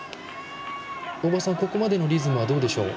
大場さん、ここまでのリズムはどうでしょう。